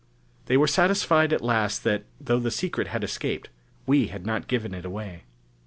They were satisfied at last that, though the secret had escaped, we had not given it away.